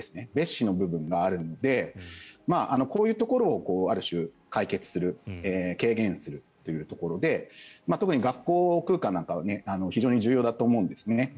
蔑視の部分があるのでこういうところをある種、解決する軽減するというところで特に、学校空間なんかは非常に重要だと思うんですね。